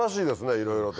いろいろと。